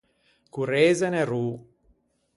Correze un errô.